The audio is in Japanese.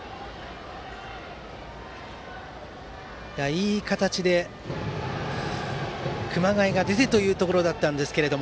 いい形で熊谷が出てというところでしたが。